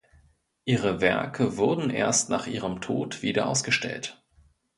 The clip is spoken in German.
Ihre Werke wurden erst nach ihrem Tod wieder ausgestellt.